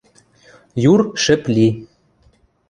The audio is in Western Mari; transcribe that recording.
Юр шӹп ли.